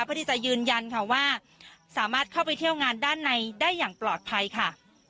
เพื่อที่จะยืนยันค่ะว่าสามารถเข้าไปเที่ยวงานด้านในได้อย่างปลอดภัยค่ะ